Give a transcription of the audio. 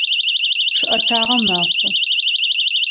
Чъыӏэтагъэ мэхъу.